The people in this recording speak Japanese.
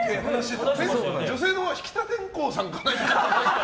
女性のほうは引田天功さんかなって。